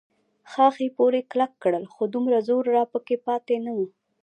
ښاخې پورې کلک کړل، خو دومره زور راپکې پاتې نه و.